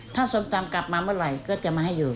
ถ้าส้มตำกลับมาเมื่อไหร่ก็จะมาให้อยู่